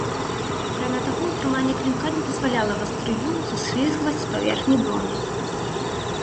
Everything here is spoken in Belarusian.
Акрамя таго, утрыманне клінка не дазваляла вастрыю саслізгваць з паверхні броні.